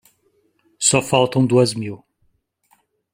Só faltam duas mil.